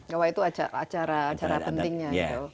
gawai itu acara pentingnya